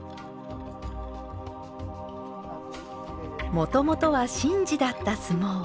もともとは神事だった相撲。